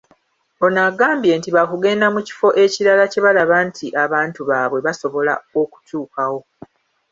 Ono agambye nti bakugenda mu kifo ekirala kyebalaba nti abantu baabwe basobola okutuukawo.